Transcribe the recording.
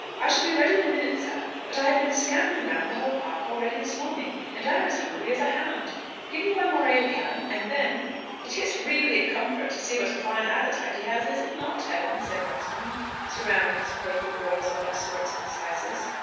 "I shall be ready in a minute, sir; but I have been scampering round the whole park already this morning, and I am as hungry as a hound. Give me one more egg, Helen, and then...." "It is really a comfort to see what a fine appetite he has! is it not, Helen?" said Rosalind, surrounding his plate with rolls of all sorts and sizes.